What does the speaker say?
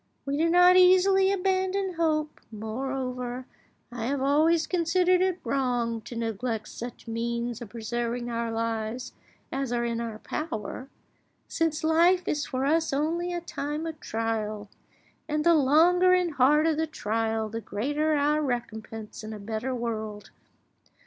We do not easily abandon hope; moreover, I have always considered it wrong to neglect such means of preserving our lives as are in our power, since life is for us only a time of trial, and the longer and harder the trial the greater our recompense in a better world.